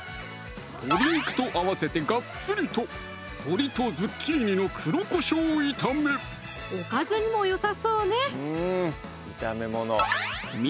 鶏肉と合わせてがっつりとおかずにもよさそうね